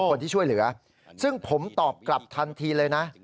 คนที่ช่วยเหลือซึ่งผมตอบกลับทันทีเลยนะ